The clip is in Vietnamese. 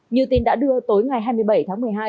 như tin đã đưa tối ngày hai mươi bảy tháng một mươi hai